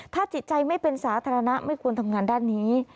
ถ้าจิตใจไม่เป็นสาธารณะไม่ควรทำงานด้านนี้